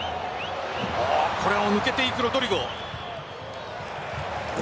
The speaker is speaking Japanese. これを抜けていくロドリゴ。